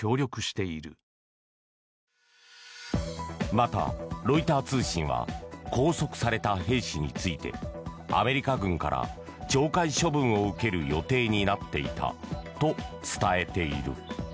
また、ロイター通信は拘束された兵士についてアメリカ軍から懲戒処分を受ける予定になっていたと伝えている。